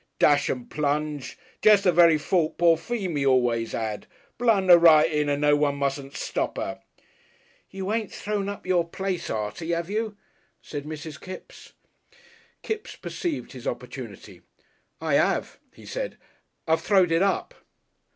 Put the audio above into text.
Dash and plunge! Jest the very fault poor Pheamy always 'ad. Blunder right in and no one mustn't stop 'er!" "You ain't thrown up your place, Artie, 'ave you?" said Mrs. Kipps. Kipps perceived his opportunity. "I 'ave," he said; "I've throwed it up."